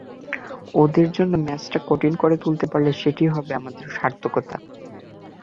ওদের জন্য ম্যাচটা কঠিন করে তুলতে পারলে সেটিই হবে আমাদের সার্থকতা।